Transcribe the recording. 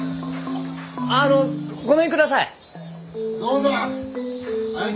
あのごめんください。